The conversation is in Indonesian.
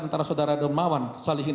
antara saudara demawan salihin